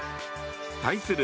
対する